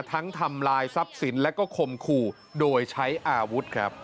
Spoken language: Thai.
ทำลายทรัพย์สินและก็คมขู่โดยใช้อาวุธครับ